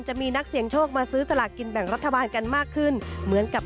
จะเก็บไว้รุ้นเองว่ะลูก